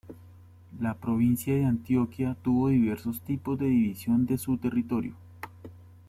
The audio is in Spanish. La provincia de Antioquia tuvo diversos tipos de división de su territorio.